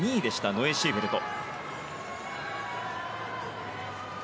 ノエ・シーフェルト。